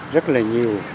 rất là nhiều